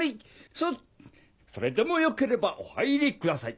そそれでもよければお入りください。